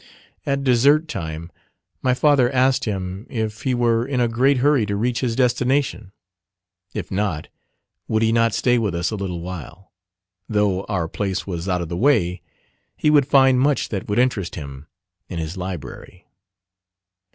At dessert time my father asked him if he were in a great hurry to reach his destination: if not, would he not stay with us a little while: though our place was out of the way, he would find much that would interest him in his library.